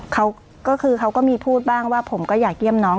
เขาก็คือเขาก็มีพูดบ้างว่าผมก็อยากเยี่ยมน้อง